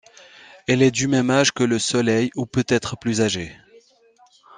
Elle est du même âge que le soleil ou peut-être plus âgée.